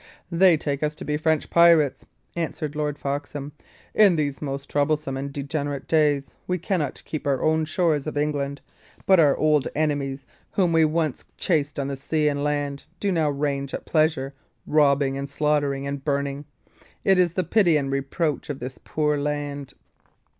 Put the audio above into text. "They take us to be French pirates," answered Lord Foxham. "In these most troublesome and degenerate days we cannot keep our own shores of England; but our old enemies, whom we once chased on sea and land, do now range at pleasure, robbing and slaughtering and burning. It is the pity and reproach of this poor land."